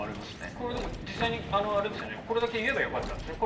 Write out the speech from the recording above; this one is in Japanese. これはでも、実際にこれだけ言えばよかったんですよね。